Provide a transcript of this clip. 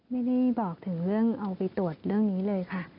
ไม่ได้บอกถึงเรื่องเอาไปตรวจเรื่องนี้เลยค่ะ